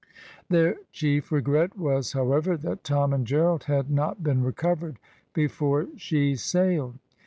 Their chief regret was, however, that Tom and Gerald had not been recovered before she sailed.